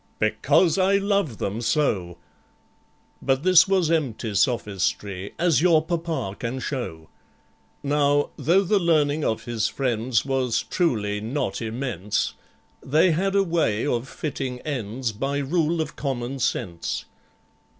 Because I love them so!" (But this was empty sophistry, As your Papa can show.) Now, though the learning of his friends Was truly not immense, They had a way of fitting ends By rule of common sense.